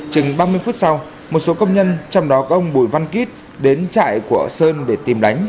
chừng ba mươi phút sau một số công nhân trong đó có ông bùi văn kít đến trại